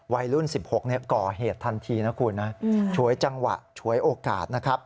วัยรุ่น๑๖ก่อเหตุทันทีนะคุณนะฉวยจังหวะฉวยโอกาสนะครับ